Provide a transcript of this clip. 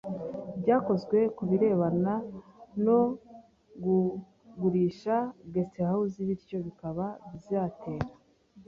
ryakozwe ku birebana no kugurisha Guest House bityo bikaba byatera